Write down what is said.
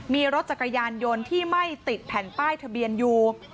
มีรถจักรยานยนต์ที่ไม่ติดแผ่นป้ายทะเบียนอยู่